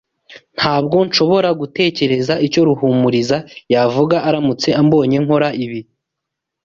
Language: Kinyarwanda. Ntabwo nshobora gutekereza icyo Ruhumuriza yavuga aramutse ambonye nkora ibi.